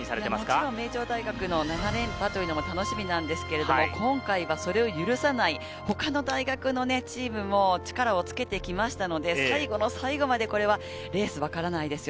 もちろん名城大学の７連覇も楽しみなんですけれども、今回はそれを許さない、他の大学のチームも力をつけてきましたので、最後の最後まで、これはレースわからないですよ。